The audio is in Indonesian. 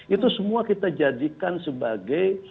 itu semua kita jadikan sebagai